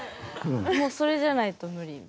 もうそれじゃないと無理って。